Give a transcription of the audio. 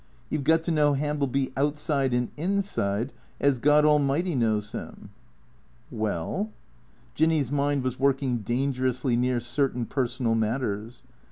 You 've got to know Hambleby outside and inside, as God Al mighty knows him." " Well ?" Jinny's mind was working dangerously near cer tain personal matters.